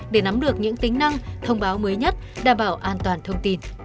để nắm được những tính năng thông báo mới nhất đảm bảo an toàn thông tin